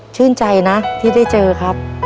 ชื่นใจนะที่ได้เจอครับ